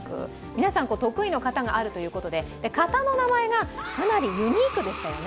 皆さん、得意の形があるということで形の名前がかなりユニークでしたよね。